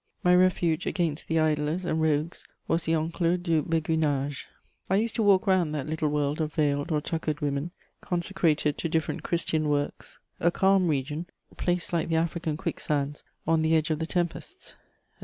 My refuge against the idlers and rogues was the Enclos du Béguinage. I used to walk round that little world of veiled or tuckered women, consecrated to different Christian works: a calm region, placed like the African quicksands on the edge of the tempests.